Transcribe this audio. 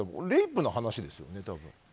レイプの話ですよね。